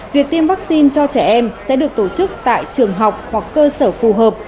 việc tiêm vaccine cho trẻ em sẽ được tổ chức tại trường học hoặc cơ sở phù hợp